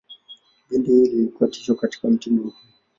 Bendi hii ilikuwa tishio katika mtindo huo.